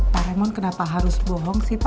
pak ramon kenapa harus bohong sih pak